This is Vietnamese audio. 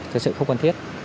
thực sự không cần thiết